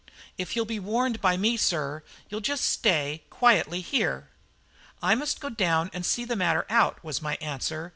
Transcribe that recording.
"If you'll be warned by me, sir, you'll just stay quietly here." "I must go down and see the matter out," was my answer.